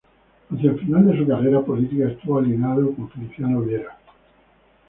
Hacia el final de su carrera política estuvo alineado con Feliciano Viera.